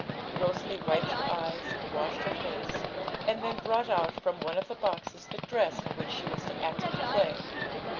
Rosalie wiped her eyes and washed her face, and then brought out from one of the boxes the dress in which she was to act at the play.